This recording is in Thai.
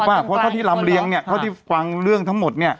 เพราะเท่าที่ลำเลียงเนี่ยเท่าที่ฟังเรื่องทั้งหมดเนี่ย